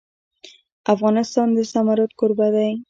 افغانستان د زمرد کوربه دی.